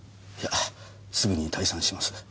いやすぐに退散します。